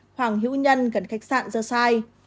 khoảng hữu nhân gần khách sạn dơ sai